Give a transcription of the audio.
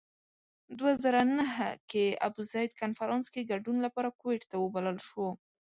دوه زره نهه کې ابوزید کنفرانس کې ګډون لپاره کویت ته وبلل شو.